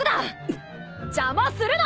んっ！？邪魔するな！